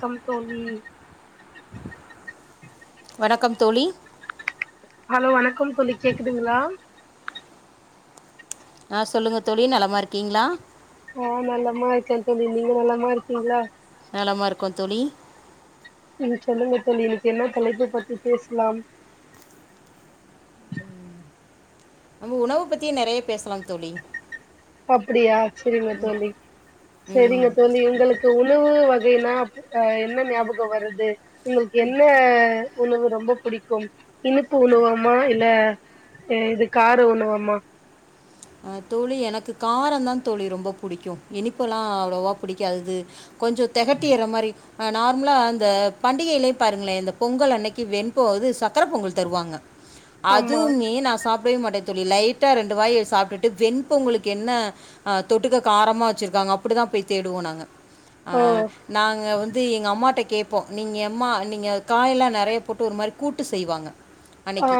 Come தோழி வணக்கம் தோழி ஹலோ வணக்கம் தோழி கேக்குதுங்ளா ஆ சொல்லுங்க தோழி நலமா இருக்கிங்ளா ஆ நலமா இருக்கே தோழி நீங்க நலமா இருக்கிங்ளா நலமா இருக்கோ தோழி நீங்க சொல்லுங்க தோழி இன்னைக்கு என்ன தலைப்ப பத்தி பேசலாம் உணவ பத்தியே நெறைய பேசலாம் தோழி அப்படியா செரிங்க தோழி செரிங்க ம் தோழி இப்போ உங்களுக்கு உண் ணவு வகைனா என்ன ஞாபக வருது உங்களுக்கு என்ன உணவு ரொம்ப புடிக்கும் இனிப்பு உணவமா இல்ல இது கார உணவமா அ தோழி எனக்கு காரந்தா தோழி ரொம்ப புடிக்கு இனிப்பெல்லா அவ்ளோவா புடிக்காது கொஞ்சம் தெகட்டிற மாரி அ நார்மலா அந்த பண்டிகைலயே பாருங்ளே இந்த பொங்கல் அன்னைக்கு வெண்பொ இது சக்கர பொங்கல் தருவாங்க ஆமா அதுமே நா சாப்டவே மாட்டே தோழி லைட்டா ரெண்டு வாய் சாப் டுட்டு வெண்பொங்கலுக்கு என்ன அ தொட்டுக்க காரமா வெச்சிருக்காங்க அப்டிதா போய் தேடுவோ நாங்க அ ஓ நாங்க வந்து எங்க அம்மாட்ட கே ப்போ நீங்க எம்மா நீங்க காயல்லா நெறைய போட்டு ஒரு மாரி கூட்டு செய்வாங்க ஆ அன்னைக்கி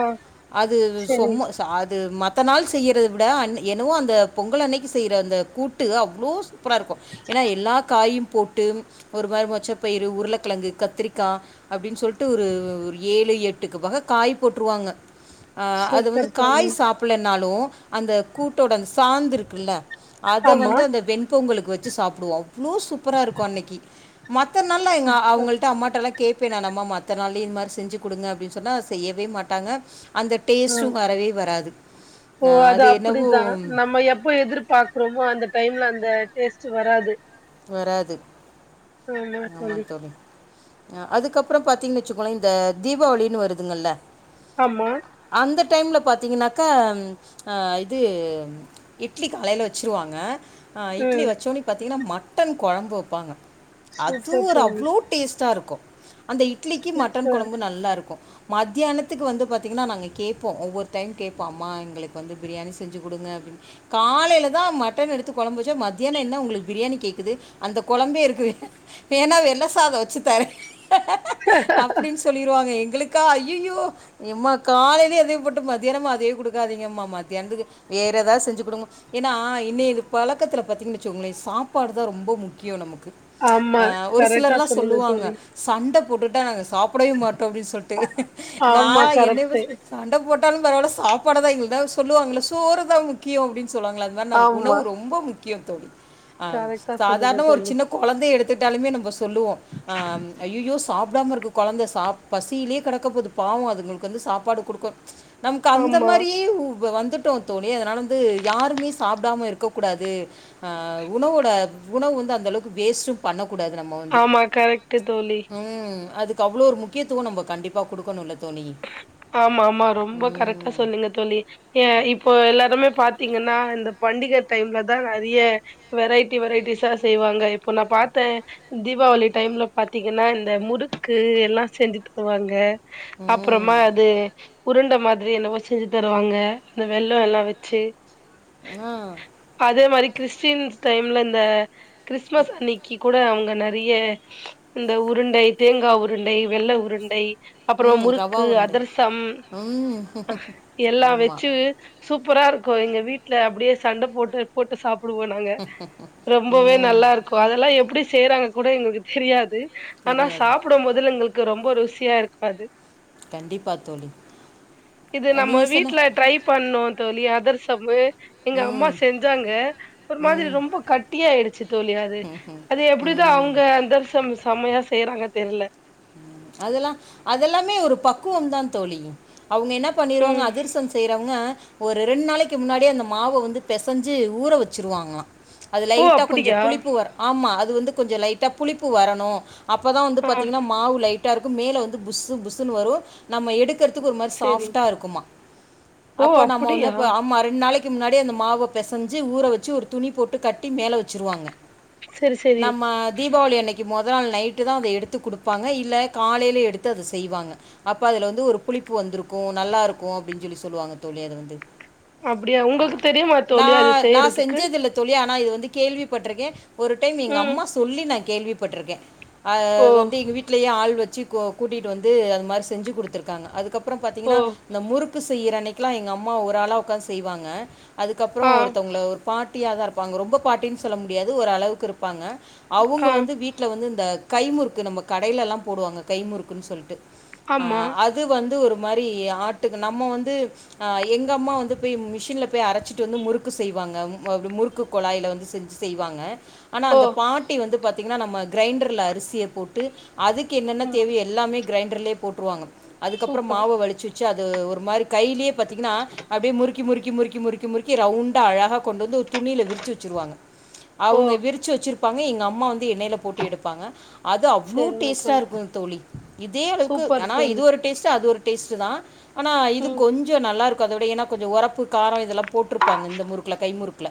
அது சொ செரி மா அது மத்த நாள் செய்யறது விட அ என்னவோ அந்த பொங்கல் அன்னைக்கு செய்ற அந்த கூட்டு அவ்ளோ சூப்பராருக்கு ஏன்னா எல்லா காயு போட்டு ஒரு மாரி மொச்சப்பயிறு உருளக்கெழங்கு கத்திரிக்கா அப்டின் சொல்ட்டு ஒரு ஒரு ஏழு எட்டுக்கு வக காய் போட்ருவாங்க அது வந்து சூப்பர் தோழி காய் சாப் பலனாலு அந்த கூட்டோட அந்த சாந்து இருக்குல்ல அத ஆமா வந்து அந்த வெண் பொங்கலுக்கு வெச்சு சாப்டுவோ அவ்ளோ சூப்பரா இருக்கு அன்னைக்கு மத்த நாள்லா எங்க அவங்கள்ட்ட அம்மாட்டல்லா கேப்பே நானு அம்மா மத்த நாள்லயு இந்த மாரி செஞ்சு குடுங்க அப்டின் சொன்னா அத செய்யவே மாட்டாங்க அந்த ஆ டேஸ்ட்டு வரவே வராது ஓ நான் அது என்னவோ அப்டிதா நம்ம எப்போ எதிர்பாக் கிறமோ அந்த டைம்ல அந்த டேஸ்ட் வராது வராது ஆமா தோழி அ அதுக்கப்புறம் பாத்தீங்கன்ன வச்சுக்கோங்களே இந்த தீபாவளின்னு வருதுங்கல்ல ஆமா அந்த டைமில் பாத்தீங்கனாக்கா ஆ இது இட்லி காலையில வச்சிருவாங்க ஆ இட்லி ம் வச்சோன்ன பாத்தீங்கன்னா மட்டன் கொழம்பு வெப்பாங்க அது சூப்பர் ஒரு தோழி அவ்ளோ டேஸ்டா இருக்கு அந்த இட்லிக்கு மட்டன் சூப்பர் கொழம்பு நல்லா இருக்கு மத்தியானத்துக்கு வந்து பாத்தீங்கன்னா நாங்க கேட்போ ஒவ்வொரு டைம் கேட்போ அம்மா எங்களுக்கு வந்து பிரியாணி செஞ்சு குடுங்க அப்டின்னு காலையில தா மட்டன் எடுத்து கெழம்புச்சா மத்தியானோ என்ன உங்களுக்கு பிரியாணி கேக் குது அந்த கொழம்பே இருக்கு வேண்ணா வெள்ள சாதோ வச்சுத்தர்ர அப்டின்னு சொல்லிருவாங்க எங்களுக்கா ஐய்யயோ எம்மா காலையிலே இதோ போட்டு மத்தியானமு அதயே குடுக்காதீங்கம்மா மத்தியானத்துக்கு வேற ஏதாவது செஞ்சு குடு ஏன்னா இன்னய பழக்கத்துல பாத்தீங்கன்னு வச்சுங்களே சாப்பாடு தா ரொம்ப முக்கியோ நமக்கு அ ஆமா ஒரு சிலர் கரெக்டா எல்லா சொன்னீங்க சொல்லுவாங்க தோழி சண்டை போட்டுட்டா நாங்க சாப்பிடவே மாட்டோ அப்டின்னு சொல்லிட்டு ந ஆமா என்னை கரெக்ட்டு சண்டை போட்டாலும் பரவாயில சாப்பாடுதா இது எதோ சொல்லுவாங்கள சோறு தா முக்கியோ அப்டின்னு சொல்வாங்களா அது மாரி நமக் ஆமா உணவு ரொம்ப முக்கியம் தோழி ஆ கரெக்டா சொல்லுங்க சாதாரணமா ஒரு தோழி சின்ன கெழந்தை எடுத்துட்டாலுமே நம்ம சொல்லுவோ அ ஐய்யயோ சாப்பிடாம இருக்கு கொழந்தை சாப் பசியிலேயே கெடைக்க போது பாவோ அதுங்களுக்கு வந்து சாப்பாடு குடுக்க நமக்கு அந்த ஆமா மாரியே வந்துட் டோ தோழி அதனால வந்து யாருமே சாப்பிடாம இருக்க கூடாது ஆ உணவோட உணவு வந்து அந்தளவுக்கு வேஸ்ட்டும் பண்ணக்கூடாது நம்ம வந்து ஆமா கரெக்ட்டு தோழி ம் அதுக்கு அவ்வளோ ‌ஒரு முக் கியத்துவோ நம்ப கண்டிப்பா குடுக்கணுல்ல தோழி ஆமா ஆமா ரொம்ப கரெக்டா சொன்னிங்க தோழி ஏ இப்போ எல்லாருமே பாத்தீங்கன்னா இந்த பண்டிகை டைம்ல தா நெறைய வெரைட்டி வெரைட்டிஸா செய்வாங்க இப்போ நா பாத்தே தீபாவளி டைம்ல பாத்தீங்கன்னா இந்த முறுக்கு எல்லா செஞ்சு தருவாங்க ம் அப்புறமா அது ஒரு உருண்ட மாதிரி என்னவோ செஞ்சு தருவாங்க அந்த வெள்ளோ எல்லாம் வச்சு ம் அதே மாரி கிறிஸ்ட்டின்ஸ் டைம்ல இந்த கிறிஸ்மஸ் அன்னி க்கி கூட அவுங்க நெறைய இந்த உருண்டை தேங்காய் உருண்டை வெள்ள உருண்டை அப்புறம் ம் ரவா முறுக்கு உருண்டை அதர்சம் ம் அ எல்லா ஆமாம் வச்சு சூப்பரா இருக்கு எங்க வீடல அப்டியே சண்டை போட்டு போட்டு சாப் புடுவோ நாங்க ரொம்பவே ம் நல்லா இருக்கு அதெல்லா எப்டி செய்றாங்கன் கூட எங்களுக்கு தெரியாது ஆனா தெரியாது சாப்பிடு போதுல்ல எங்களுக்கு ரொம்ப ருசியா இருக்கு அது கண்டிப்பா தோழி இது நம்ம நீங்கள் சொன்ன வீட்டுல ட்ரை பண்ணாம் தோழி அதிர்சம்மு எங்க அம்மா ம் செஞ்சாங்க ஒரு மாதிரி ம் ரொம்ப கட்டிய ஆயிடுச்சு தோழி அது ம் அது எப்டிதா ம் அவுங்க அந்தரசம் செமையா செய்றாங்க தெர்ல அதெல்லா அதெல்லாமே ஒரு பக்குவம்தான் தோழி அவுங்க என்ன பண்ணிர்வாங்க ம் அதிர்சம் செய்றவங்க ஒரு ரெண் நாளைக்கு முன்னாடியே அந்த மாவை வந்து பெசைஞ்சு ஊற வச்சுருவாங்களா அது ஓ லைட்டா கொஞ்ச அப்டியா புளிப்பு வரு ஆமா அது வந்து கொஞ்ச லைட்டா புளிப்பு வரணு அப்போதா வந்து ஆ பாத்தீங்கன்னா மாவு லைட்டா இருக்கு மேல வந்து புஸ் புஸ்ன்னு வரு நம்ம எடு க்கறத்துக்கு ஒரு மாரி சேரி சாஃப்டா இருக்குமா ஓ அப்ப நம்ம வந்து அப்டியா அம்மா ரெண்டு நாளைக்கு க்கு முன்னாடியே அந்த மாவ பெசஞ்சு ஊற வச்சு ஒரு துணி போட்டு கட்டி மேல வச்சிருவாங்க செரி செரி நம்ம தீபாவளி அன்னைக்கு முதல் நாள் நைட்டு தா அத எடுத்து குடுப் பாங்க இல்ல காலையில எடுத்து அத செய்வாங்க அப்ப அதுல வந்து ஒரு புளிப்பு வந்துருக்கு நல்லா இருக்கும் அப்டின்னு சொல்லி சொல்லுவாங்க தோழி அது வந்து அப்டியா ஆ உங்களுக்கு தெரியுமா நா தோழி அது நா செய்றதுக்கு செஞ்சதுல தோழி ஆனா இது வந்து கேள்விப்பட்டிருக்கே ஒரு டைம் எங்க ம். அம்மா சொல்லி நா கேள்விப்பட்டிருக்கே அ ஓ! வந் வீட்லயே ஆள் வச்சு கூட்டிட்டு வந்து அந்த மாரி செஞ்சு குடுத்துருக்காங்க அதுக்கப்புறோ ஓ! பாத்தீங்கன்னா இந்த முறுக்கு செய்றனு அன்னைக்கெலா எங்க அம்மா ஒரு ஆளா உக்காந்து செய்வாங்க அதுக்கப்புறோ ஆ, ஒருத்தவங்க ஒரு பாட்டியா தா இருப்பாங்க ரொம்ப பாட்டின்னு சொல்ல முடியாது ஒரு அளவுக்கு இருப்பாங்க அவுங்க ஆ, வந்து வீட்ல வந்து இந்த கைமுறுக்கு நம்ம கடையில எல்லா போடுவாங்க கைமுறுக்குன்னு சொல்ட்டு அ ஆமா. அது வந்து ஒரு மாரி ஆட்டுக்கு நம்ம வந்து அ எங்க அம்மா வந்து போய் மிஷின்ல போய் அரைச்சிட்டு வந்து முறுக்கு செய்வாங்க முறுக்கு குழாய்ல வந்து செஞ்சு செய்வாங்க ஆனா ஓ! அந்த பாட்டி வந்து பாத்தீங்கன்னா நம்ம கிரைண்டர்ல அரிசிய போட்டு அதுக்கு என்னென்ன ஆமா. தேவையே எல்லாமே கிரைண்டர்லே போட்டுருவாங்க அதுகப்றோ சூப்பர். மாவை வலிச்சு வச்சுஅது ஒரு மாரி கைலே பாத்தீங்கனா அப்டே முறுக்கி முறுக்கி முறுக்கி முறுக் முறுக்கி ரவுண்டா அழகா கொண்டு வந்து ஒரு துணியில விரிச்சு வச்சுருவாங்க ஓ! அவங்க விரிச்ச வச்சிருப் பாங்க எங்க அம்மா வந்து எண்ணெயில போட்டு எடுப்பாங்க அது அவ்ளோ சரிங்க டேஸ்ட்டா தோழி. இருக்கு தோழி இதே அளவுக்கு சூப்பர் ஆனா இது தோழி. ஒரு டேஸ்ட்டு அது ஒரு டேஸ்ட்டு தா ஆனா இது ம். கொஞ்சோ நல்லாருக்கு அத விட ஏன்னா கொஞ்சோ ஒரப்பு காரோ இதெல்லா போட்ருப்பாங்க இந்த முறுக்குல கைமுறுக்குல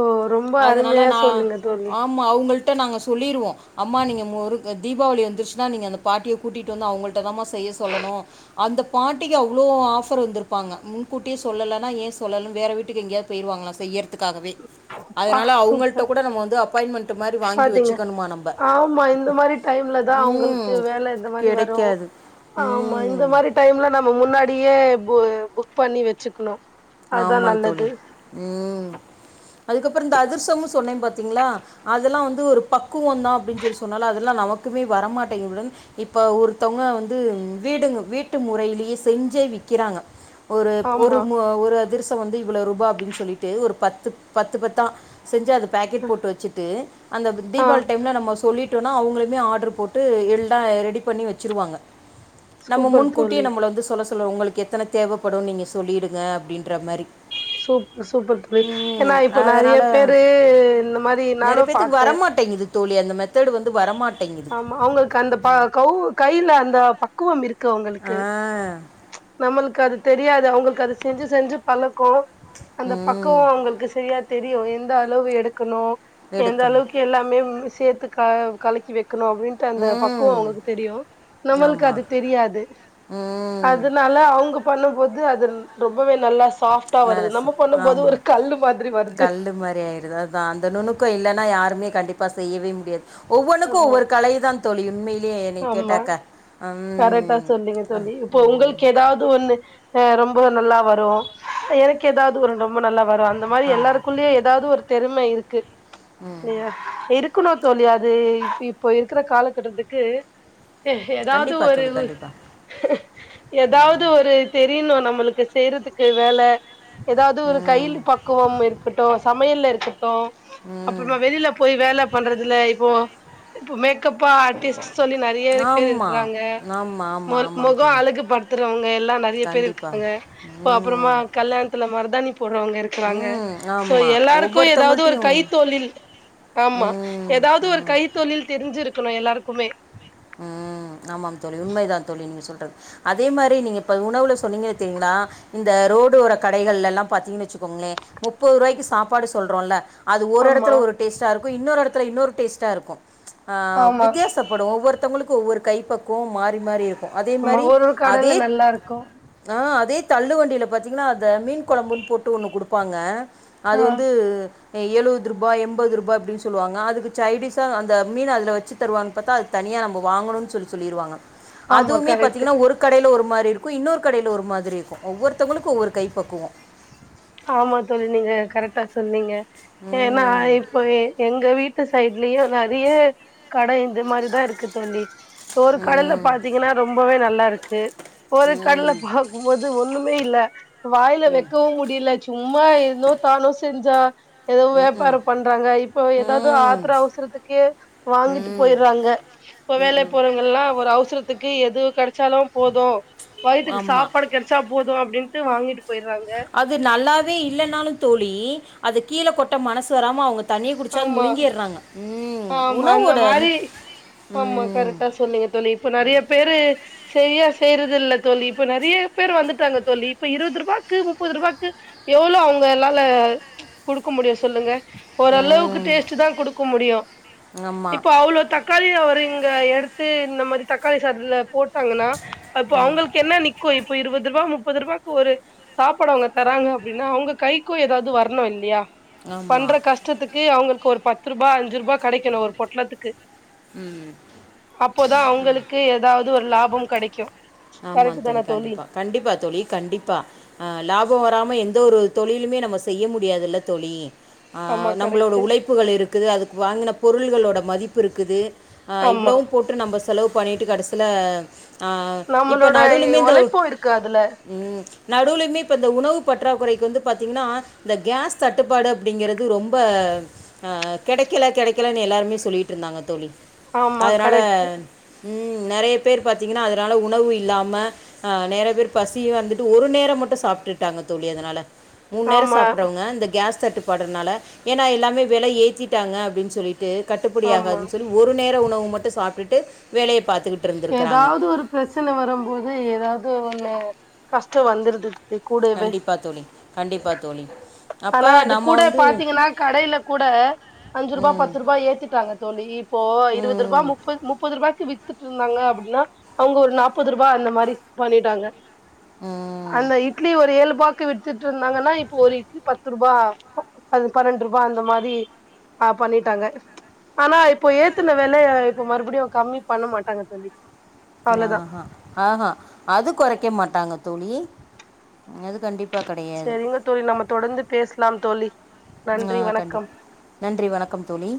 ஓ! ரொம்ப அதனால அருமையா நா சொன்னீங்க தோழி. ஆமா அவங்கள்ட நாங்க சொல்லிருவோ அம்மா நீங்க முரு தீபாவளி வந்துருச்சுனா நீங்க அந்த பாட்டிய கூட்டிட்டு வந்து அவங்கள்ட தா மா செய்ய சொல்லணு அந்த பாட்டிக்கு அவ்ளோ ஆஃபர் வந்துருப்பாங்க முன்கூட்டியே சொல்லலனா ஏ சொல்லல வேற வீட்டுக்கு எங்கயா போய்ருவாங்ளா செய்யற் த்துக்காகவே அப்பா! அதனால அவங்கள்ட்ட சூப்பர். கூட நம்ம வந்து அப்பாயின்மெண்ட் மாரி வாங்கி பாத்தீங்க. வச்சுக்கணுமா நம்ம ஆமா இந்த மாரி டைம்ல தா அவுங்களுக்கு ம் வேல இந்த மாரி வரு கிடைக்காது ஆமா இந்த ம் மாரி டைம்ல நம்ம முன்னாடியே புக் பண்ணி வச்சுக்கணு ஆமா தோழி ம் அதுக்கப்றோ இந்த அதிர்சமு சொன்னே பாத்தீங்களா அதெல்லா வந்து ஒரு பக்குவோந்தா அப்டின்னு சொல்லி சொன்னாலு அதெல்லா நமக்குமே வரமாட்டேங்க உடன் இப்ப ஒருத்தவங்க வந்து வீடுங்க வீட்டு முறையிலயே செஞ்சே விக்கிறாங்க ஒரு ஒரு ஆமா. ஒரு அதிர்சோ வந்து இவ்வள ருபா அப்டின் சொல்லிட்டு ஒரு பத்து பத்து பத்தா செஞ்சு அது பேக்கெட் போட்டு வச்சுட்டு அந்த ஆ, தீபாவளி டைம்ல நம்ம சொல்லி டோனா அவுங்குளுமே ஆட்ரு போட்டு எல்ட ரெடி பண்ணி வச்சிருவாங்க நம்ம சூப்பர் முன்கூட்டியே தோழி. நம்மள வந்து சொல்ல சொல்ல உங்களுக்கு எத்தன தேவைப்படுனு நீங்க சொல்லிடுங்க அப்டின்ற மாரி சூப் சூப்பர் தோழி ஏன்னா இப்ப நெறைய அதனால் பேரு இந்த மாரி நிறைய நானு பேர்த்துக்கு பாத்த வரமாட்டேங்குது தோழி அந்த மெத்தடு வந்து வரமாட்டேங்குது கந்த ப கவ் கையில அந்த பக்குவம் இருக்கு அவ்ங்களுக்கு ஆ நம்மளுக்கு அது தெரியாது அவங்களுக்கு அது செஞ்சு செஞ்சு பழக்கோ அந்த ம் பக்குவம் அவங்களுக்கு சரியா தெரியு எந்த அளவு எடுக்கணு எந்த எடுக்கணும் அளவுக்கு எல்லாமே சேத்து கலக்கி வைக்கணு அப்டின் ன்ட அந்த பக்குவோ ம் அவங்களுக்கு தெரியு நம்மளுக்கு அது ஆமாம் தெரியாது ம் அதுனால அவ்ங்க பண்ணும்போது அது ரொம்பவே நல்லா சாஃப் டா வருது நலசா நம்ம பண்ணும் போது ஒரு கல்லு மாதிரி வருது வரே ஆயிது ரவ் அதா அந்த நுணுக்கோ இல்லன்னா யாருமே கண்டிப்பா செய்யவே முடியாது ஒவ்வொன்னுக்கு ஆமா ஒவ்வொரு கலைதான் தொழி உண்மையிலே நீ ஆமா கேட்டாக்கா ம் ஏதாவ்து ஒண்ணு ரொம்ப நல்லா வரு எனக்கு ஏதாவுது ஒரு ரொம்ப நல்லா வரு அந்த அந்த மாரி ஆமாம் எல்லாருக்குள்ளயே ஏதாவுது ஒரு தெரும இருக்கு ம் இருக்கணு தோழி அது இ இப்போ இருக்கிற காலகட்டத்துக்கு ஏதாவுது கண்டிப்பாக ஒரு தோழி கண்டிப்பாக ஏதாவ்து ஒரு தெரியணு நம்மளுக்கு செய்யற்துக்கு வேல ஏதாவது ஒரு ம் கையில் பக்குவம் இருக்கட்டு சமையல்ல இருக்கட்டு ம் அப்புறமா வெளியில போய் வேல பண்றதுல இப்போ இப்ப மேக்கப்பா ஆர்டிஸ்ட் சொல்லி நிறைய பேரு ஆமாம் இருக்குறாங்க ஆமாம் ஆமாம் ஆமாம் மொகோ தோழி அழுகுப்படுத்துறவங்க எல்லா நிறைய பேர் இருக்காங்க கண்டிப்பாக இப்ப அப்புறமா ம் கல்யாணத்துல மருதாணி போடுறவங்க இருக்கறாங்க ம் சோ ஆமாம் எல்லாருக்கு ஏதாவ்து ஒரு ஒவ்வொருத்தவங்கள்ட்டையும் கைத் தொழில் ஆமா ம் ஏதாவ்து ஒரு ம் கைத்தொழில் தெரிஞ்சிருக்கணு எல்லாருக்குமே ம் ஆமாங் தோழி உண்மைதா தோழி நீ சொல்றது அதே மாரி நீங்க இப்ப உணவுல சொன்னீங்கனே தெரிங்களா இந்த ரோடு ஓர கடைகள்ல ல்லா பாத்தீங்கன்னு வச்சுக்கோங்களே முப்போருவாய்க்கி சாப்பாடு சொல்றோல்ல அது ஒரு ஆமா எடத்துல ஒரு டேஸ்ட்டா இருக்கு இன்னொரு எடத்துல இன்னொரு டேஸ்ட்டாக இருக்கு ஆமா வித்தியாசப்படு ஒவ்வொரு ஒர்த்தவங்களுக்கு ஒவ்வொரு கைப்பக்குவோ மாறி மாறி இருக்கு அதே ஆமா மாரி ஒரு ஒரு கடல அதே நல்லா இருக்கு ஆ அதே தள்ளு வண்டியில பாத்தீங்கன்னா அத மீன் குழம்புன்னு போட்டு ஒண்ணு குடுப்பாங்க அது ஆ வந்து எழுபது ருபா எண்பது ருபா அப்டின்னு சொல்லுவாங்க அதுக்கு சைடீஸா அந்த மீன அதில வச்சு தருவாங்கு பாத்தா அது தனியா நம் வாங்கணுனு சொல்லி சொல்லிருவாங்க ஆமா அதுவுமே கரெக்ட் பாத்தீங்கனா ஒருக் கடையி ஒரு மாரி இருக்கு இன்னொரு கடையில ஒரு மாதிரி இருக்கு ஒவ்வொருத்தவ்ங்களுக்கு ஒவ்வொரு கை பக்குவோ ஆமா தோழி நீங்க கரெக்டா சொன்னீங்க ஏன்னா ம் இப்போ எங்க வீ ட்டு சைட்லயு நிறைய கட இந்த மாரிதா இருக்கு தொல்லி ஒரு கடல்ல ம் பாத்தீங்கனா ரொம்பவே நல்லா இருக்கு ஒரு கட்ல ம் பாக்கும்போது ஒண்ணுமே இல்ல வாயில ம் வெக்கவு முடியல சும்மா என்னோ தானோ செஞ்சா ஏதோ ம் வியாப்பாரோ பண்றாங்க இப்போ ஏதாவ்து ம் ஆத்திர அவ்சர்த்துக்கே வாங்கிட்டு ம் போயறாங்க இப்ப ம் வேலை போறவங்க எல்லா ஒரு அவ்சரத்துக்கு எது கடை கெச்சாலு போது வய்துக்கு ஆமாம் சாப்பாடு கெடச்சா போது அப்டின்டு வாங்கிட்டு போய்றாங்க அது நல்லாவே இல்லன்னாலு தோழி அத கீழ கொட்ட மனசு வராம அவ்ங்க தண்ணிய குடிச்சாது ஆமா முழுங்கிற்றாங்க ஆமா அந்த உணவோட மாரி ஆமா ம் கரெக்டா சொன்னிங்க தோழி இப்ப நிறைய பேரு செரியா செய்யறதில்ல தோலி இப்ப நிறைய பேர் வந்துட்டாங்க தோழி இப்ப இருவது ருபாக்கு முப்பது ருபாக்கு எவ்ளோ அவ்ங்க னால்ல குடுக்க முடியு சொல்லுங்க அளவுக்கு ம் டேஸ்ட்டு தா கொடுக்க முடியு ஆமாம் இப்ப அவ்ளோ தக் காளி அவரு இங்க எடுத்து இந்த மாரி தக்காளி சாதுல போட் டாங்கன்னா அப்ப அவ்ங்களுக்கு என்ன நிக்கு இப்ப இருவது ருபா முப்பது ருபா ஒரு சாப்பாடுஅவ்ங்க தராங்க அப்டின்னா அவ்ங்க கைக்கு ஏதாவ்து வர்ணு இல்லியா பண்ற ஆமாம் கஷ்டத்துக்கு அவ்ங்களுக்கு ஒரு பத்து ருபா அஞ்சு ருபா கெடைக்கணு ஒரு பொட்லத்துக்கு ம் அப்போதா அவ்ங்களுக்கு ஏதாவ்து ஒரு லாபம் கெடைக்கு கரட்டு தானே தோழி கண்டிப்பா தோழி கண்டிப்பா அ லாபோ வராம எந்த ஒரு தொழிலுமே நம்ம செய்ய முடியாதுல்ல தோழி அ ஆமா நம்மளோட கரெக்ட் உழைப்புகள் இருக்குது அதுக்கு வாங்கின பொருள்களோட மதிப்பு இருக்குது அ ஆமா இவ்ளோவு போட்டு நம்ம செலவு பண்ணிட்டு கடசில அ இப்போ நம்மளோட நடுவுலிமே இந்த உழைப்பு இருக்கு அதுல ம் நடுவுலுமே இப்போ இந்த உணவு பற்றாக்குறைக்கு வந்து பாத்தீங்கினா இந்த கேஸ் தட்டுப்பாடு அப்டிங்கிறது ரொம்ப அ கெடைக்கில கெடைக்கிலன் எல்லாருமே சொல்லிட்டுருந்தாங்க தோழி ஆமா அதனால கரெக்ட் ம் நெறைய பேரு பாத்தீங்கன்னா அதனால உணவு இ ல்லாம அ நெறய பேர் பசியு வந்துட்டு ஒரு நேர மட்டு சாப்ட்டுகிட்டாங்க தோழி அதனால மூண் நேர ஆமா சாப்பிட்றவங்க இந்த கேஸ் தட்டுப்பாடுனால ஏனா எல்லாமே விலை ஏத்திட்டாங்க அப்டின் சொல்லிட் டு ஆமா கட்டுப்படியாகதுன் சொல்லி ஒரு நேர உணவு மட்டு சாப்ட்டுட்டு வேலய பாத்துக்கிட்டு எதாவ்து ஒரு ப்ரெச்சன வரும்போது எதாவ்து ஒண்ணு கஷ்டோ வந்துருது கூடவே கண்டிப்பா தோழி கண்டிப்பா தோழி அப்போ ஆனா அது நம்ம கூட வந்து பாத்தீங்கன்னா கடையில கூட அஞ்சுருபா ம் பத்துருபா ஏத்திட்டாங்க தோழி இப்போ இருவதுருபா ம் முப்ப முப்பதுருபாய்க்கி வித் துன்னிந்தாங்க அப்படினா அவுங்க ஒரு நாப்பதுருபா அந்த மாரி பண்ணிட்டாங்க ம் அந்த இ ட்லி ஒரு ஏழுபாக்கு வித்துட்டுருந்தாங்கனா இப்போ ஒரு இட்லி பத்துருபா அது பன்னெண்ட்ருபா அந்த மாரி ஆ பண்ணிட்டாங்க ஆனா இப்போ ஏத்துன வெலய இப்போ மறுபிடியு கம்மி பண்ண மாட்டாங்க தோழி அவ்ளோதா ஆஹா ஆஹா அது கொறைக்க மாட்டாங்க தோழி அது கண்டிப்ப செரிங்க தோழி நம்ம தொடர்ந்து பேசலாம் தோழி ஆ, நன்றி கண்டி வணக்கம் நன்றி வணக்கம் தோழி